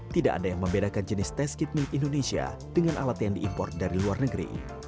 tidak ada yang membedakan jenis tes kitme indonesia dengan alat yang diimpor dari luar negeri